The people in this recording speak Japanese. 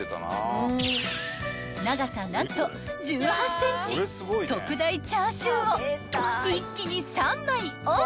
［長さ何と１８ｃｍ特大チャーシューを一気に］